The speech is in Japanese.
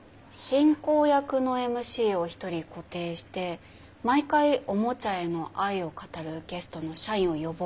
進行役のＭＣを１人固定して毎回おもちゃへの愛を語るゲストの社員を呼ぼうかなと思ってます。